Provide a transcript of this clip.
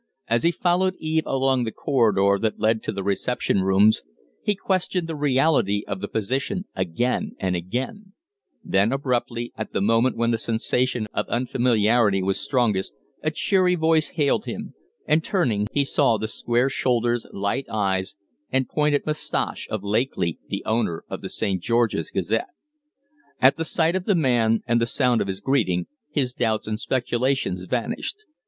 As he followed Eve along the corridor that led to the reception rooms he questioned the reality of the position again and again; then abruptly, at the moment when the sensation of unfamiliarity was strongest, a cheery voice hailed him, and, turning, he saw the square shoulders, light eyes, and pointed mustache of Lakeley, the owner of the 'St. George's Gazette'. At the sight of the man and the sound of his greeting his doubts and speculations vanished.